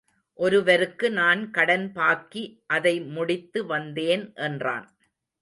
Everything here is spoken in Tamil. ஒருவருக்கு நான் கடன் பாக்கி அதை முடித்து வந்தேன் என்றான்.